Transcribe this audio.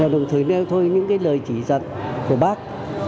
đồng thời đeo thôi những lời chỉ dật của bác